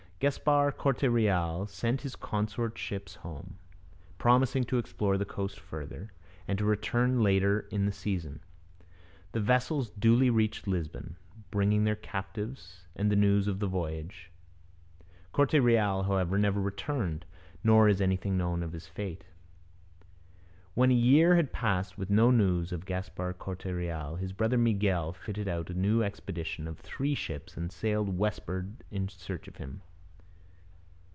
Gaspar Corte Real sent his consort ships home, promising to explore the coast further, and to return later in the season. The vessels duly reached Lisbon, bringing their captives and the news of the voyage. Corte Real, however, never returned, nor is anything known of his fate. When a year had passed with no news of Gaspar Corte Real, his brother Miguel fitted out a new expedition of three ships and sailed westward in search of him.